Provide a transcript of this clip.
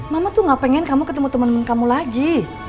mama tuh gak pengen kamu ketemu temen kamu lagi